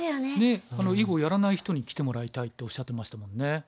ねえ囲碁やらない人に来てもらいたいっておっしゃってましたもんね。